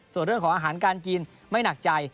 ส่วนเรื่องของอาหารการกินไม่หนักใจ